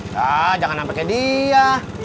ya jangan sampai kaya dia